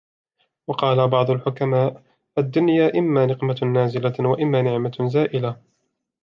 وَقَالَ بَعْضُ الْحُكَمَاءِ الدُّنْيَا إمَّا نِقْمَةٌ نَازِلَةٌ ، وَإِمَّا نِعْمَةٌ زَائِلَةٌ